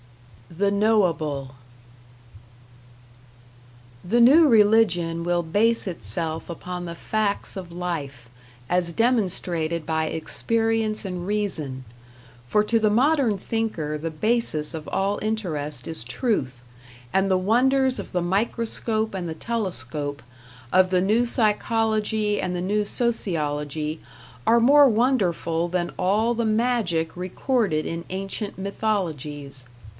#The Knowable# The new religion will base itself upon the facts of life, as demonstrated by experience and reason; for to the modern thinker the basis of all interest is truth, and the wonders of the microscope and the telescope, of the new psychology and the new sociology are more wonderful than all the magic recorded in ancient Mythologies.